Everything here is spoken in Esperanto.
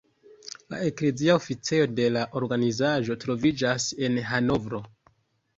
La eklezia oficejo de la organizaĵo troviĝas en Hanovro.